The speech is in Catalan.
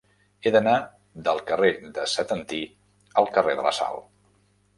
He d'anar del carrer de Setantí al carrer de la Sal.